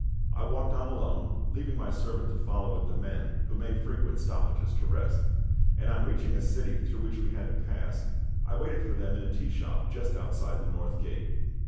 I walked on alone, leaving my servant to follow with the men, who made frequent stoppages to rest; and on reaching a city through which we had to pass, I waited for them in a tea shop just outside the North Gate.